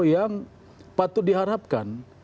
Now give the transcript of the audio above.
yang patut diharapkan